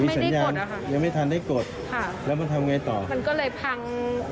สัญญาณนะคะยังไม่ทันได้กดค่ะแล้วมันทำไงต่อมันก็เลยพัง